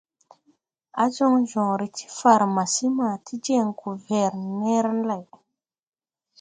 Á jɔŋ jɔŋre ti farmasi ma ti jeŋ goferner lay.